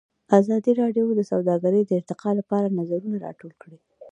ازادي راډیو د سوداګري د ارتقا لپاره نظرونه راټول کړي.